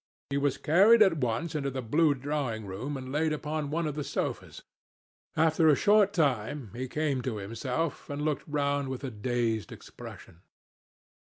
He was carried at once into the blue drawing room and laid upon one of the sofas. After a short time, he came to himself and looked round with a dazed expression.